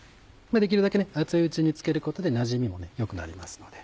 できるだけ熱いうちに漬けることでなじみも良くなりますので。